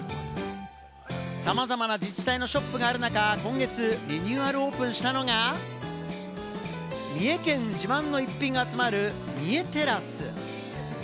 さまざまな自治体のショップがある中、今月リニューアルオープンしたのが三重県自慢の逸品が集まる、三重テラス。